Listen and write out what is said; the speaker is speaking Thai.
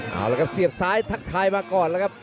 เอาละครับเสียบซ้ายทักทายมาก่อนแล้วครับ